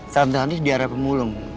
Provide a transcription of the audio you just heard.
tante anis diarah pemulung